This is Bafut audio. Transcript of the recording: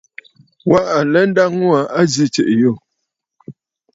Wa alɛ nda ŋû aa a zi tsiʼì yù.